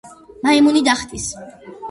მაიმუნი დახტის